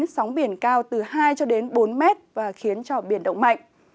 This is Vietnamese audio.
sóng biển cao từ hai cho đến bốn mét và khiến cho biển động mạnh